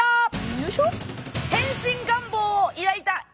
よいしょ！